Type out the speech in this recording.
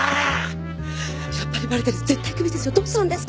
やっぱりバレてる絶対クビですよどうするんですか！